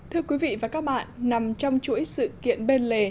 thưa quý vị và các bạn nằm trong chuỗi sự kiện bên lề